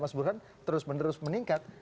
mas burhan terus menerus meningkat